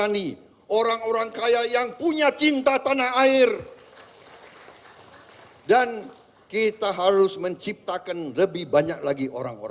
nanti di hambalang